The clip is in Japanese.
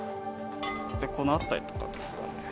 このあたりとかですかね。